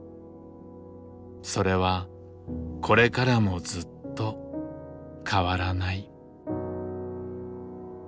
それはこれからもずっと変わらない。